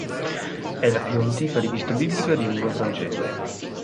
È la più antica rivista biblica di lingua francese.